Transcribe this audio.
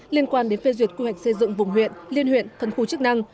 liên quan đến phê duyệt quy hoạch xây dựng vùng huyện liên huyện phân khu chức năng